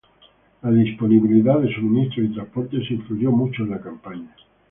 La disponibilidad de suministros y transportes influyó mucho en la campaña.